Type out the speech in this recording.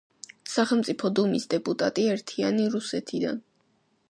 სახელმწიფო დუმის დეპუტატი „ერთიანი რუსეთიდან“.